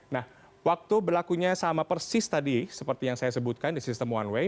nah waktu berlakunya sama persis tadi seperti yang saya sebutkan di sistem one way